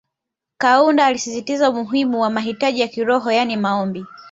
Kaunda alisisitiza umuhimu wa mahitaji ya kiroho yani Maombi